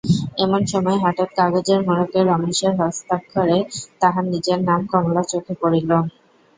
এমন সময় হঠাৎ কাগজের মোড়কে রমেশের হস্তাক্ষরে তাহার নিজের নাম কমলার চোখে পড়িল।